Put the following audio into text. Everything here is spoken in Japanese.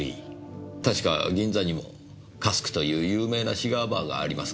確か銀座にも「Ｃａｓｋ」という有名なシガーバーがありますが。